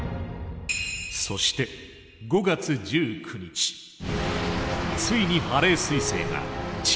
そして５月１９日ついにハレー彗星が地球に最接近。